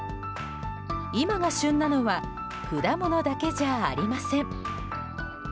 今が旬なのは果物だけじゃありません。